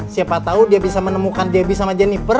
siapa tahu dia bisa menemukan debbie sama jennifer